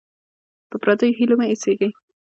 په پردیو هیلو مه اوسېږئ.